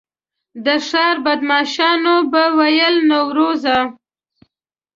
د ښار بدمعاشانو به ویل نوروز.